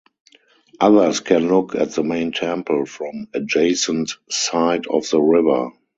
Others can look at the main temple from adjacent side of the river.